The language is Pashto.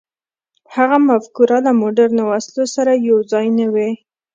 هغه مفکورې له مډرنو وسلو سره یو ځای نه وې.